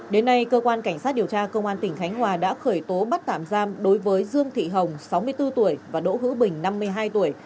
đến nay cơ quan cảnh sát điều tra công an tỉnh khánh hòa đã khởi tố bắt tạm giam đối với dương thị hồng sáu mươi bốn tuổi và đỗ hữu bình năm mươi hai tuổi